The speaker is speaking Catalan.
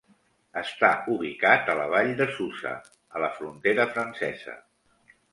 Està ubicat a la Vall de Susa, a la frontera francesa.